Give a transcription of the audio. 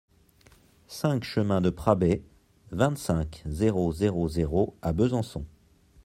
cinq chemin de Prabey, vingt-cinq, zéro zéro zéro à Besançon